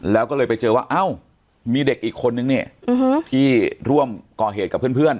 แล้วก็เลยไปเจอว่าเอ้ามีเด็กอีกคนนึงเนี่ยที่ร่วมก่อเหตุกับเพื่อน